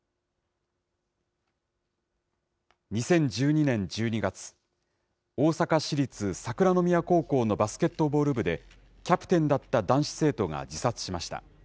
２０１２年１２月、大阪市立桜宮高校のバスケットボール部で、キャプテンだった男子生徒が自殺しました。